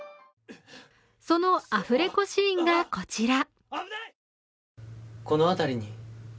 そのアフレコシーンがこちら。